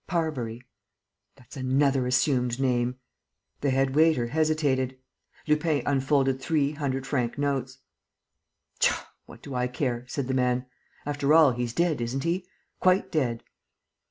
"Parbury." "That's another assumed name." The head waiter hesitated. Lupin unfolded three hundred franc notes. "Pshaw, what do I care!" said the man. "After all, he's dead, isn't he? Quite dead."